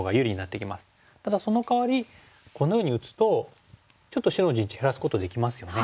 ただそのかわりこのように打つとちょっと白の陣地減らすことできますよね。